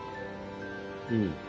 うん。